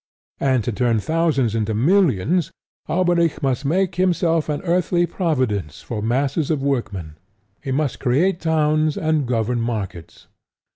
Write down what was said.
And to turn thousands into millions, Alberic must make himself an earthly providence for masses of workmen: he must create towns and govern markets.